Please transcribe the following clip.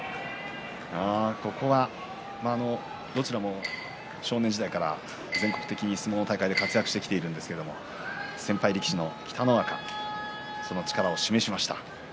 どちらも少年時代から全国的に相撲大会で活躍していますけど先輩力士の北の若がその力を示しました。